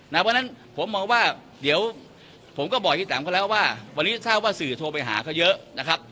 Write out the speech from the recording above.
เพราะฉะนั้นผมมองว่าเดี๋ยวผมก็บอกพี่แตมเขาแล้วว่าวันนี้ทราบว่าสื่อโทรไปหาเขาเยอะนะครับ